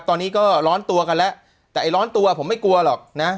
ตอนนี้ก็ร้อนตัวกันแล้วแต่ไอ้ร้อนตัวผมไม่กลัวหรอกนะ